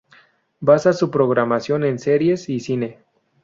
Basa su programación en series y cine.